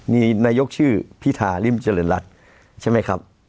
มีนายกชื่อพิธาริมเจริญรัฐใช่ไหมครับ